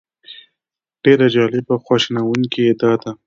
ډېره جالبه او خواشینونکې یې دا ده.